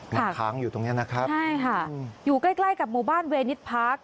มาค้างอยู่ตรงเนี้ยนะครับใช่ค่ะอยู่ใกล้ใกล้กับหมู่บ้านเวนิสพาร์ค